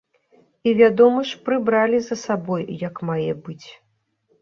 І, вядома ж, прыбралі за сабой як мае быць.